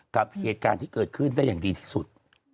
กับเหตุการณ์ที่เกิดขึ้นได้อย่างดีที่สุด